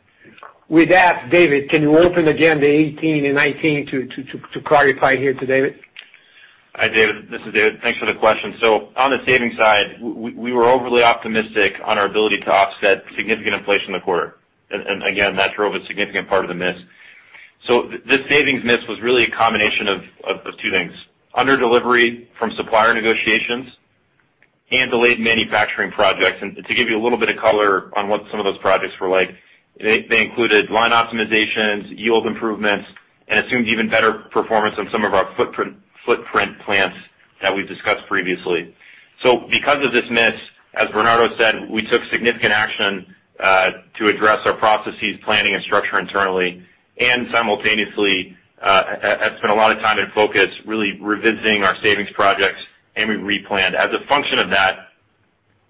With that, David, can you open again the 2018 and 2019 to clarify here today? Hi, David, this is David. Thanks for the question. On the savings side, we were overly optimistic on our ability to offset significant inflation in the quarter. Again, that drove a significant part of the miss. This savings miss was really a combination of those two things: under-delivery from supplier negotiations and delayed manufacturing projects. To give you a little bit of color on what some of those projects were like, they included line optimizations, yield improvements, and assumed even better performance on some of our footprint plants that we've discussed previously. Because of this miss, as Bernardo said, we took significant action to address our processes, planning, and structure internally, and simultaneously have spent a lot of time and focus really revisiting our savings projects, and we replanned. As a function of that,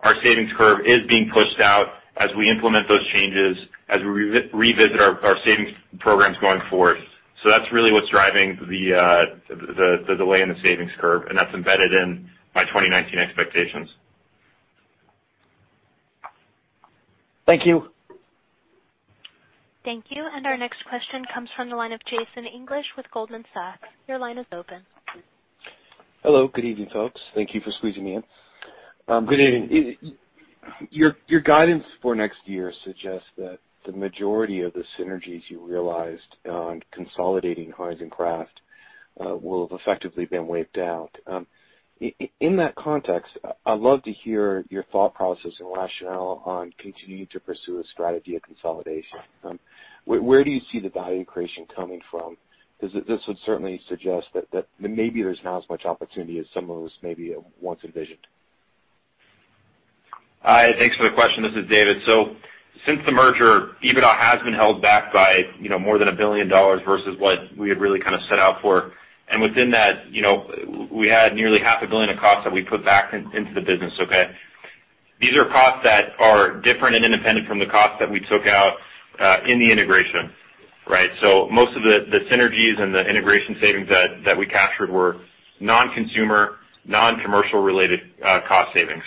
our savings curve is being pushed out as we implement those changes, as we revisit our savings programs going forward. That's really what's driving the delay in the savings curve, and that's embedded in my 2019 expectations. Thank you. Thank you. Our next question comes from the line of Jason English with Goldman Sachs. Your line is open. Hello. Good evening, folks. Thank you for squeezing me in. Good evening. Your guidance for next year suggests that the majority of the synergies you realized on consolidating Heinz and Kraft will have effectively been wiped out. In that context, I'd love to hear your thought process and rationale on continuing to pursue a strategy of consolidation. Where do you see the value creation coming from? This would certainly suggest that maybe there's not as much opportunity as some of us maybe once envisioned. Thanks for the question. This is David. Since the merger, EBITDA has been held back by more than $1 billion versus what we had really set out for. Within that, we had nearly half a billion dollars of costs that we put back into the business. These are costs that are different and independent from the costs that we took out in the integration. Most of the synergies and the integration savings that we captured were non-consumer, non-commercial related cost savings.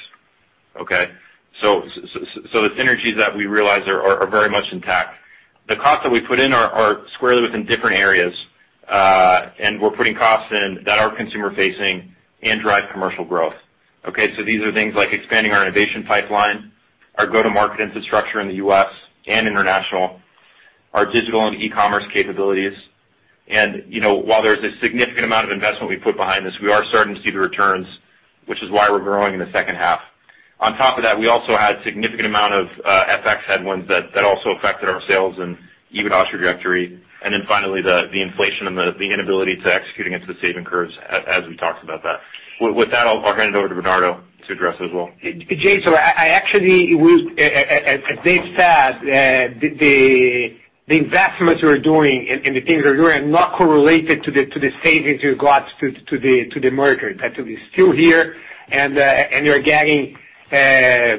The synergies that we realized are very much intact. The costs that we put in are squarely within different areas, and we're putting costs in that are consumer facing and drive commercial growth. These are things like expanding our innovation pipeline, our go-to-market infrastructure in the U.S. and international, our digital and e-commerce capabilities. While there's a significant amount of investment we put behind this, we are starting to see the returns, which is why we're growing in the second half. On top of that, we also had significant amount of FX headwinds that also affected our sales and EBITDA trajectory. Finally, the inflation and the inability to executing into the saving curves as we talked about that. With that, I'll hand it over to Bernardo to address as well. Jason, as Dave said, the investments we're doing and the things we are doing are not correlated to the savings regards to the merger. That will be still here, and you're getting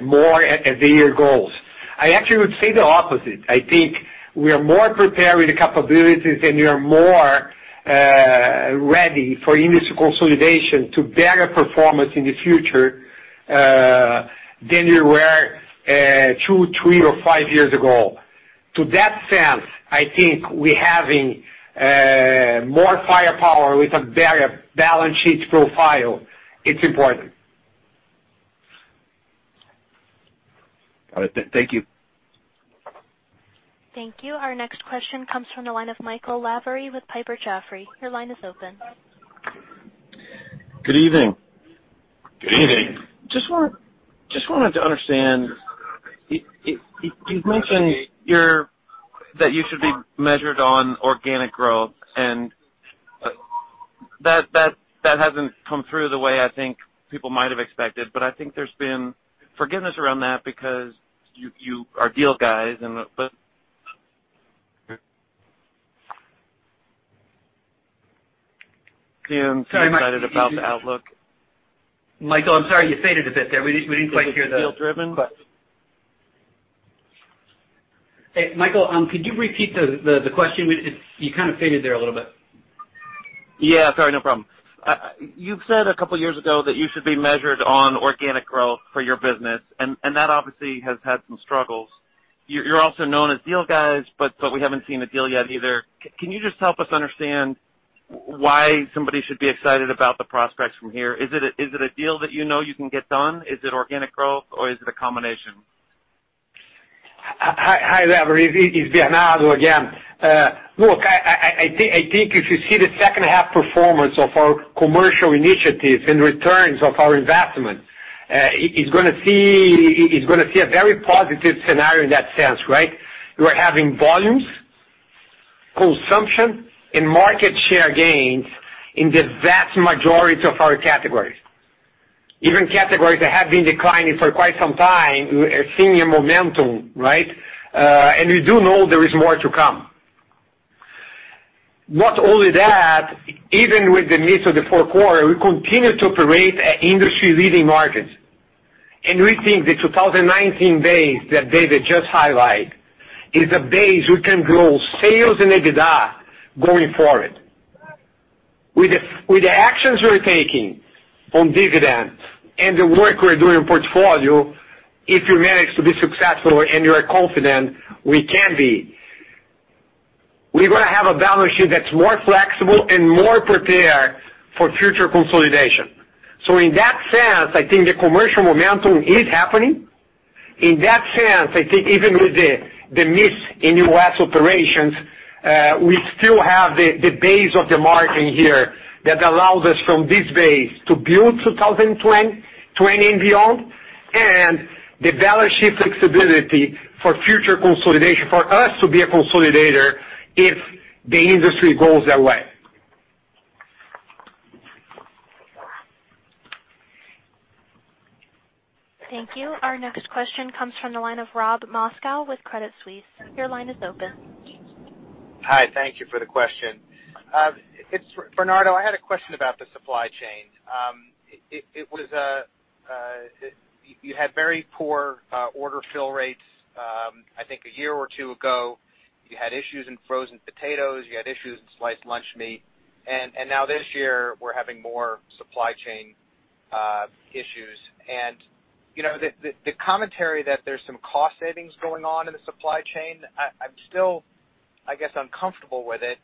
more at the year goals. I actually would say the opposite. I think we are more prepared with the capabilities, and we are more ready for industry consolidation to better performance in the future than we were two, three, or five years ago. To that sense, I think we having more firepower with a better balance sheet profile. It's important. All right. Thank you. Thank you. Our next question comes from the line of Michael Lavery with Piper Jaffray. Your line is open. Good evening. Good evening. Just wanted to understand. You've mentioned that you should be measured on organic growth, that hasn't come through the way I think people might have expected, I think there's been forgiveness around that because you are deal guys. Sorry, Mike Are you excited about the outlook? Michael, I'm sorry, you faded a bit there. We didn't quite hear the. Is it deal-driven? Hey, Michael, could you repeat the question? You kind of faded there a little bit. Yes, sorry. No problem. You've said a couple of years ago that you should be measured on organic growth for your business, that obviously has had some struggles. You're also known as deal guys, we haven't seen a deal yet either. Can you just help us understand why somebody should be excited about the prospects from here? Is it a deal that you know you can get done? Is it organic growth, or is it a combination? Hi, Lavery. It's Bernardo again. Look, I think if you see the second half performance of our commercial initiatives and returns of our investment, it's going to see a very positive scenario in that sense, right? We're having volumes and market share gains in the vast majority of our categories. Even categories that have been declining for quite some time, we are seeing a momentum, right? We do know there is more to come. Not only that, even with the midst of Q4, we continue to operate at industry-leading markets. We think the 2019 base that David just highlight is a base we can grow sales and EBITDA going forward. With the actions we're taking on dividends and the work we're doing in portfolio, if we manage to be successful and we are confident we can be, we're going to have a balance sheet that's more flexible and more prepared for future consolidation. In that sense, I think the commercial momentum is happening. In that sense, I think even with the miss in U.S. operations, we still have the base of the margin here that allows us from this base to build 2020 and beyond, and the balance sheet flexibility for future consolidation, for us to be a consolidator if the industry goes that way. Thank you. Our next question comes from the line of Robert Moskow with Credit Suisse. Your line is open. Hi. Thank you for the question. Bernardo, I had a question about the supply chain. You had very poor order fill rates, I think a year or two ago. You had issues in frozen potatoes, you had issues in sliced lunch meat. Now this year, we're having more supply chain issues. The commentary that there's some cost savings going on in the supply chain, I'm still, I guess, uncomfortable with it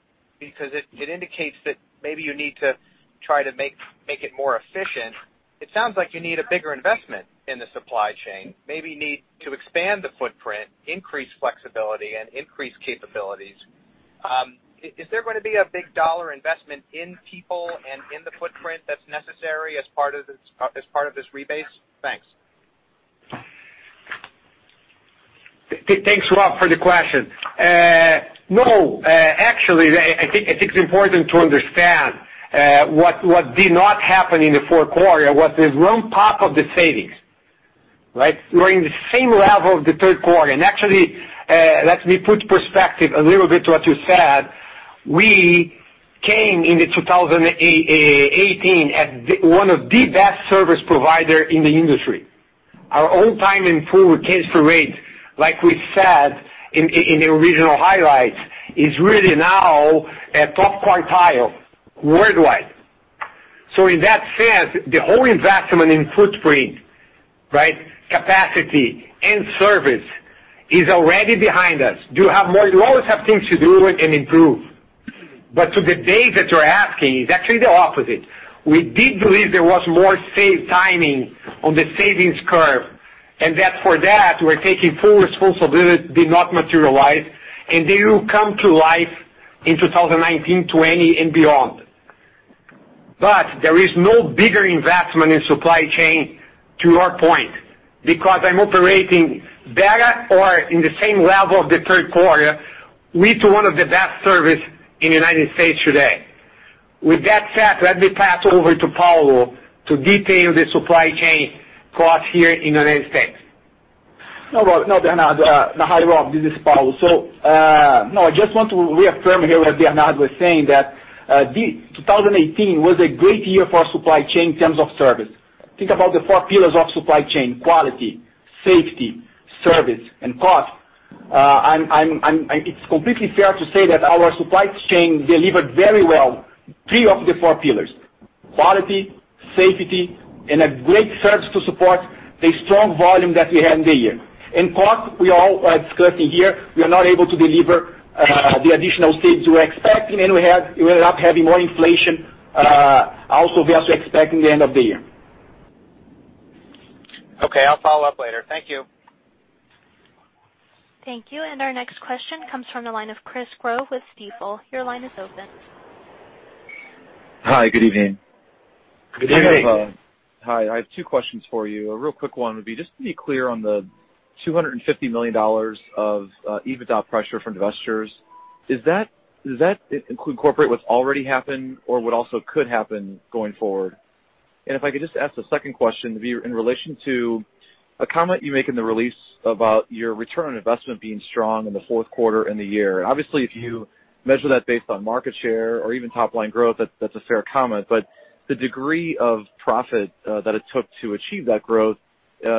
because it indicates that maybe you need to try to make it more efficient. It sounds like you need a bigger investment in the supply chain, maybe need to expand the footprint, increase flexibility and increase capabilities. Is there going to be a big dollar investment in people and in the footprint that's necessary as part of this rebase? Thanks. Thanks, Rob, for the question. Actually, I think it's important to understand what did not happen in Q4 was this ramp-up of the savings. We're in the same level of Q3. Actually, let me put perspective a little bit to what you said. We came into 2018 as one of the best service provider in the industry. Our on-time and full case rate, like we said in the original highlights, is really now at top quartile worldwide. In that sense, the whole investment in footprint, capacity and service is already behind us. You always have things to do and improve. To the date that you're asking, it's actually the opposite. We did believe there was more saved timing on the savings curve, that for that, we're taking full responsibility did not materialize, and they will come to life in 2019, 2020, and beyond. There is no bigger investment in supply chain to our point, because I'm operating better or in the same level of Q3, we're to one of the best service in the U.S. today. With that said, let me pass over to Paulo to detail the supply chain cost here in the U.S. No, Rob. No, Bernardo. Hi, Rob, this is Paulo. I just want to reaffirm here what Bernardo was saying that, 2018 was a great year for supply chain in terms of service. Think about the four pillars of supply chain: quality, safety, service, and cost. It's completely fair to say that our supply chain delivered very well three of the four pillars, quality, safety, and a great service to support the strong volume that we had in the year. In cost, we all are discussing here, we are not able to deliver the additional saves we were expecting, we ended up having more inflation also versus expecting the end of the year. Okay, I'll follow up later. Thank you. Thank you. Our next question comes from the line of Chris Growe with Stifel. Your line is open. Hi, good evening. Good evening. Hi, I have two questions for you. A real quick one would be just to be clear on the $250 million of EBITDA pressure from divestitures. Does that incorporate what's already happened or what also could happen going forward? If I could just ask a second question, in relation to a comment you make in the release about your return on investment being strong in Q4 and the year. Obviously, if you measure that based on market share or even top line growth, that's a fair comment, but the degree of profit that it took to achieve that growth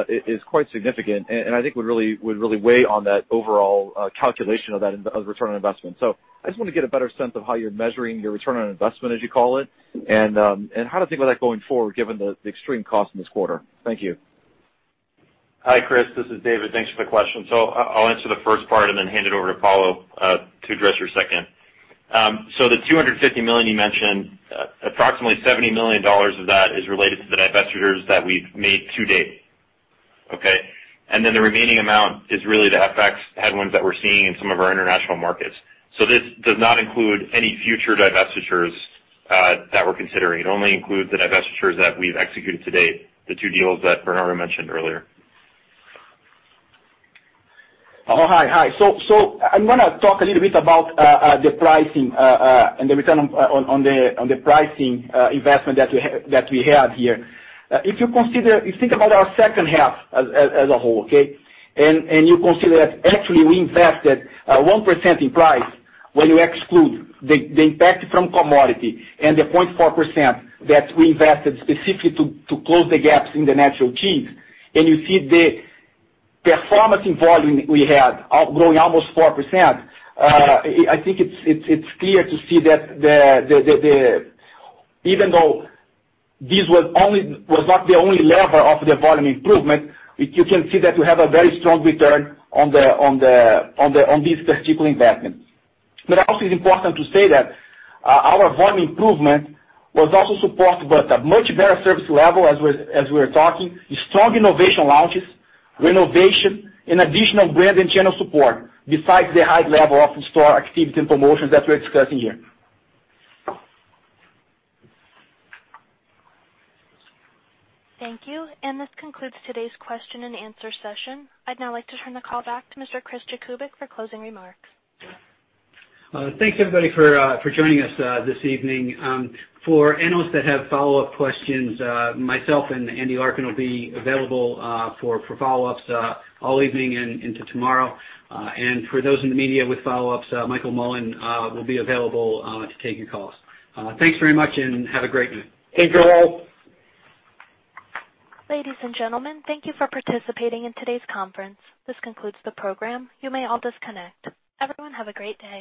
is quite significant and I think would really weigh on that overall calculation of return on investment. I just want to get a better sense of how you're measuring your return on investment, as you call it, and how to think about that going forward given the extreme cost in this quarter. Thank you. Hi, Chris. This is David. Thanks for the question. I'll answer the first part and then hand it over to Paulo to address your second. The $250 million you mentioned, approximately $70 million of that is related to the divestitures that we've made to date. Okay? The remaining amount is really the FX headwinds that we're seeing in some of our international markets. This does not include any future divestitures that we're considering. It only includes the divestitures that we've executed to date, the two deals that Bernardo mentioned earlier. Hi. I'm going to talk a little bit about the pricing and the return on the pricing investment that we have here. If you think about our second half as a whole, okay, and you consider that actually we invested 1% in price when you exclude the impact from commodity and the 0.4% that we invested specifically to close the gaps in the Natural Cheese, and you see the performance in volume we had growing almost 4%, I think it's clear to see that even though this was not the only lever of the volume improvement, you can see that we have a very strong return on these particular investments. Also it's important to say that our volume improvement was also supported by the much better service level as we're talking, strong innovation launches, renovation, and additional brand and channel support, besides the high level of store activities and promotions that we're discussing here. Thank you. This concludes today's question and answer session. I'd now like to turn the call back to Mr. Chris Jakubik for closing remarks. Thanks, everybody, for joining us this evening. For analysts that have follow-up questions, myself and Andy Arkin will be available for follow-ups all evening and into tomorrow. For those in the media with follow-ups, Michael Mullen will be available to take your calls. Thanks very much and have a great night. Thanks, everyone. Ladies and gentlemen, thank you for participating in today's conference. This concludes the program. You may all disconnect. Everyone, have a great day.